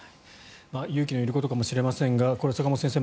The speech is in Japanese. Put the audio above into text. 勇気のいることかもしれませんがこれは坂元先生